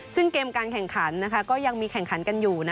ซึ่งเกมการแข่งขันก็ยังมีแข่งขันกันอยู่